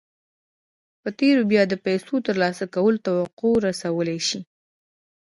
په تېره بیا د پیسو ترلاسه کولو توقع رسولای شئ